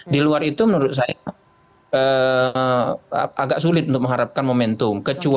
di luar itu menurut saya agak sulit untuk mengharapkan momentum